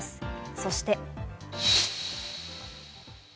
そして。